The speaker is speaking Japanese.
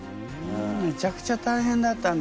めちゃくちゃ大変だったんだ。